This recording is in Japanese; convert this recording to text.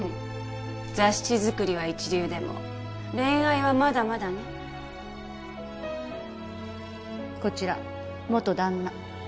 雑誌作りは一流でも恋愛はまだまだねこちら元旦那